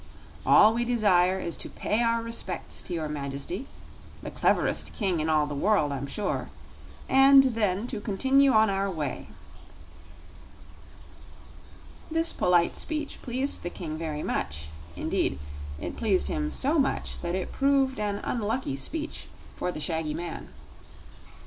All we desire is to pay our respects to your Majesty the cleverest king in all the world, I'm sure and then to continue on our way." This polite speech pleased the King very much; indeed, it pleased him so much that it proved an unlucky speech for the shaggy man.